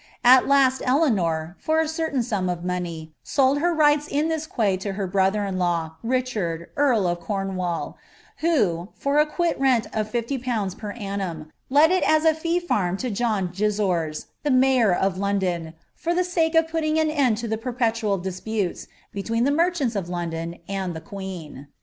JttkM Deaaor, for a certain sum of money, sold her tights in this quay tn kr brother in law, Richard, earl of Cornwall, who, for a quil rtmt cf IAt pounds per annum, let it as a fee farm to John Uisnrs, the maycB •* London, for the sake of putting an end to the perpetual disputes, bet«(M the merchants of London and the queen.